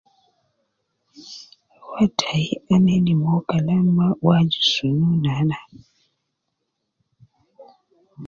An tayi ana endi mo Kalam ma uwo aju sunu nana.